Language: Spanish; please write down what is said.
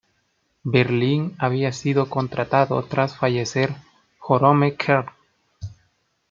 Berlin había sido contratado tras fallecer Jerome Kern.